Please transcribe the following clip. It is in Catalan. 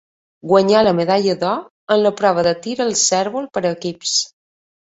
Guanyà la medalla d'or en la prova de tir al cérvol per equips.